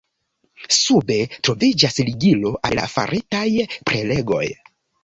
Sube troviĝas ligilo al la faritaj prelegoj.